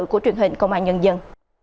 của truyền hình công an nhân dân